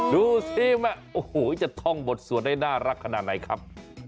ดูสิจะท่องบทสวนให้น่ารักขนาดไหนครับ